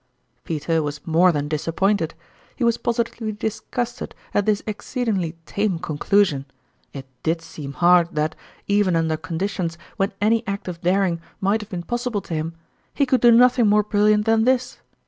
" Peter was more than disappointed he was positively disgusted at this exceedingly tame conclusion ; it did seem hard that, even under conditions when any act of daring might have been possible to him, he could do nothing more brilliant than this.